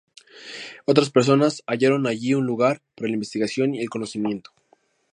Otras personas hallaron allí un lugar para la investigación y el conocimiento.